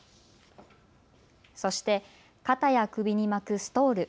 そして肩や首に巻くストール。